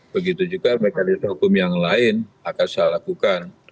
begitu juga mekanisme hukum yang lain akan saya lakukan